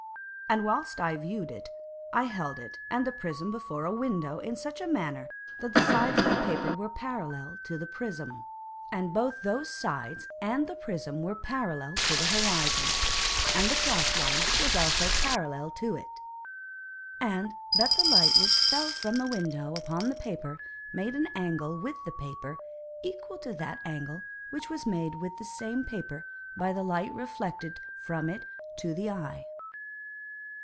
And whilst I view'd it, I held it and the Prism before a Window in such manner that the Sides of the Paper were parallel to the Prism, and both those Sides and the Prism were parallel to the Horizon, and the cross Line was also parallel to it: and that the Light which fell from the Window upon the Paper made an Angle with the Paper, equal to that Angle which was made with the same Paper by the Light reflected from it to the Eye.